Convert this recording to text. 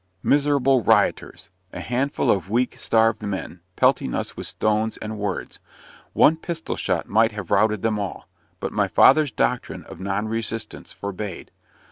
Miserable "rioters!" A handful of weak, starved men pelting us with stones and words. One pistol shot might have routed them all but my father's doctrine of non resistance forbade.